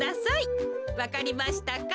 わかりましたか？